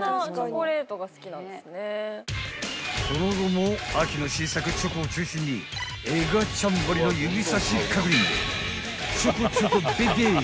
［その後も秋の新作チョコを中心にエガちゃんばりの指さし確認でチョコチョコベイベー］